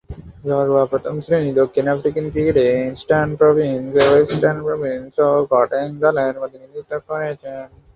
ঘরোয়া প্রথম-শ্রেণীর দক্ষিণ আফ্রিকান ক্রিকেটে ইস্টার্ন প্রভিন্স, ওয়েস্টার্ন প্রভিন্স ও গটেং দলের প্রতিনিধিত্ব করেছেন।